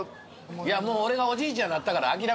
いやもう俺がおじいちゃんになったから諦めとる。